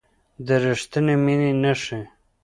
د ریښتینې مینې نښې